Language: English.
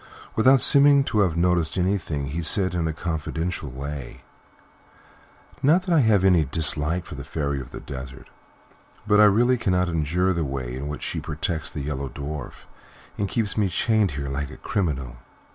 Without seeming to have noticed anything, he said, in a confidential way: "Not that I have any dislike to the Fairy of the Desert, but I really cannot endure the way in which she protects the Yellow Dwarf and keeps me chained here like a criminal.